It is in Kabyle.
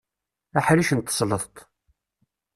Aḥric n tesleḍt.